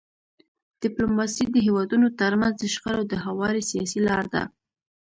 ډيپلوماسي د هیوادونو ترمنځ د شخړو د هواري سیاسي لار ده.